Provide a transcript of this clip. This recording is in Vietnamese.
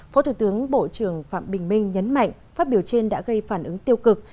phó thủ tướng bộ trưởng bộ ngoại giao phạm bình minh nhấn mạnh phát biểu trên đã gây phản ứng tiêu cực